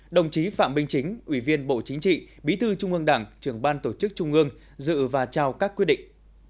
đồng chí phạm minh chính ủy viên bộ chính trị bí thư trung ương đảng trưởng ban tổ chức trung ương dự và trao các quyết định